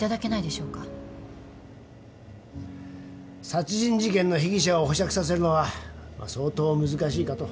殺人事件の被疑者を保釈させるのは相当難しいかと。